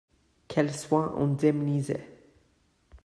qu'elle soit indemnisée.